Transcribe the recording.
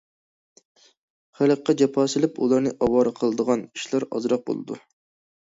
« خەلققە جاپا سېلىپ ئۇلارنى ئاۋارە قىلىدىغان» ئىشلار ئازراق بولىدۇ.